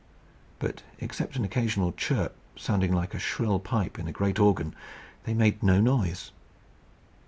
But, except an occasional chirp, sounding like a shrill pipe in a great organ, they made no noise.